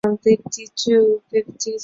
现任主席为刘伟清。